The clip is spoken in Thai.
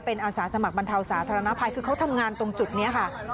เป็นอาสาสมัครบรรเทาสาธารณภัยคือเขาทำงานตรงจุดนี้ค่ะ